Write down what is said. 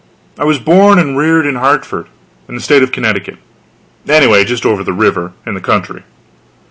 I was born and reared in Hartford, in the State of Connecticut anyway, just over the river, in the country.